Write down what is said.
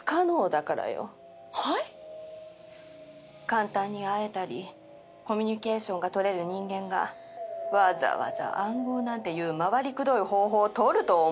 簡単に会えたりコミュニケーションが取れる人間がわざわざ暗号なんていう回りくどい方法を取ると思う？